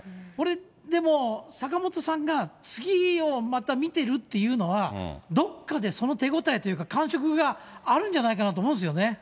これ、でも坂本さんが次をまた見てるっていうのは、どっかで、その手応えというか、感触があるんじゃないかなと思うんですよね。